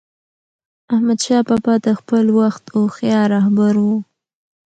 احمدشاه بابا د خپل وخت هوښیار رهبر و.